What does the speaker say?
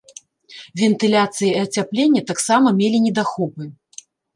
Вентыляцыя і ацяпленне таксама мелі недахопы.